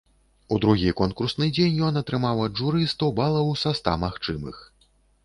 У другі конкурсны дзень ён атрымаў ад журы сто балаў са ста магчымых.